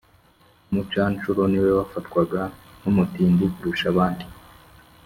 umucanshuro niwe wafatwaga nk' umutindi kurusha abandi